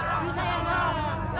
kamu yang ngamil ya